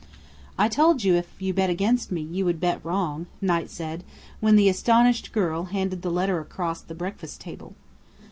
"I told you if you bet against me you would bet wrong," Knight said, when the astonished girl handed the letter across the breakfast table.